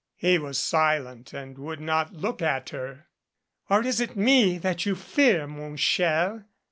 He was silent and would not look at her. "Or is it me that you fear, mon cher?"